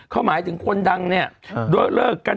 ข้อหมายถึงคนดังเนี่ย